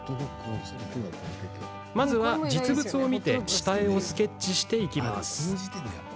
まずは、実物を見て下絵をスケッチしていきます。